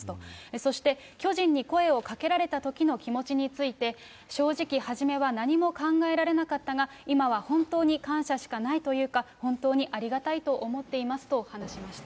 そして、巨人に声をかけられたときの気持ちについて、正直、初めは何も考えられなかったが、今は本当に感謝しかないというか、本当にありがたいと思っていますと話しました。